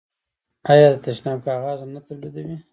آیا د تشناب کاغذ نه تولیدوي؟